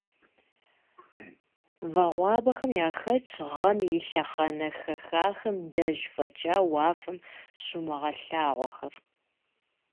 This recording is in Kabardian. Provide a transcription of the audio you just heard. Вагъуэбэхэм яхэтщ гъэм и лъэхъэнэ хэхахэм деж фӀэкӀа уафэм щумылъагъухэр.